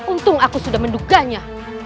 untung aku sudah menduganya